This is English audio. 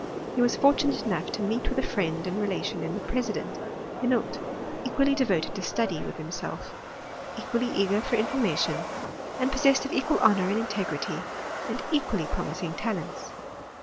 He was fortunate enough to meet with a friend and relation in the president, Henault, equally devoted to study with himself, equally eager for information, and possessed of equal honour and integrity, and equally promising talents.